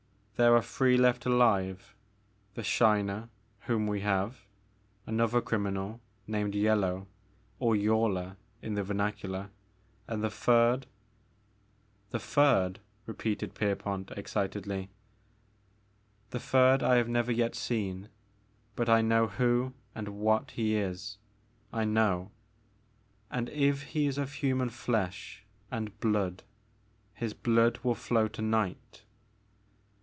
There are three left alive, — ^the Shiner whom we have, another criminal named * Yellow,* or * Yaller * in the vernacular, and the third " The third," repeated Pierpont, excitedly. "The third I have never yet seen. But I know who and what he is, — I know ; and if he is of human flesh and blood, his blood will flow to night."